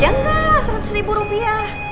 ya enggak seratus ribu rupiah